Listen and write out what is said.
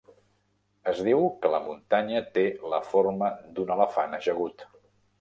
Es diu que la muntanya té la forma d'un elefant ajagut.